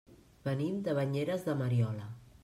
Venim de Banyeres de Mariola.